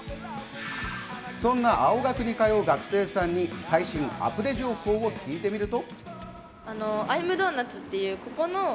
そんな青学に通う学生さんに最新のアプデ情報を聞いてみると。